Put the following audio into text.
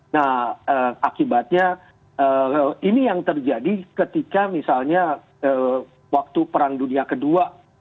nah akibatnya ini yang terjadi ketika misalnya waktu perang dunia ii